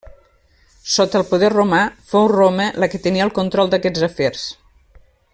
Sota el poder romà, fou Roma la que tenia el control d'aquests afers.